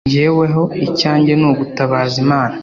jyeweho, icyanjye ni ugutabaza imana